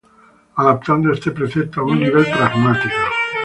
Adaptando este precepto a un nivel pragmático.